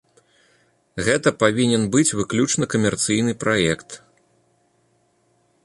Гэта павінен быць выключна камерцыйны праект.